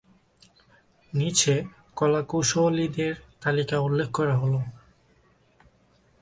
নিচে কলাকুশলীদের তালিকা উল্লেখ করা হলো।